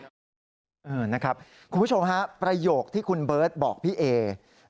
คุณผู้ชมฮะประโยคที่คุณเบิร์ตบอกพี่เอ